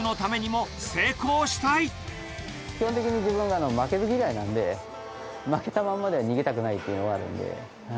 基本的に自分は負けず嫌いなので、負けたままで逃げたくないというのがあるんで。